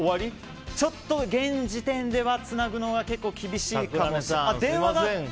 ちょっと現時点ではつなぐのは結構厳しいかもしれない。